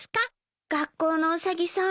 学校のウサギさん